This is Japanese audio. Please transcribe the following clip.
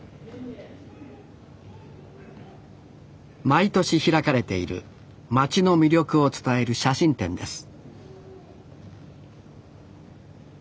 毎年開かれている町の魅力を伝える写真展です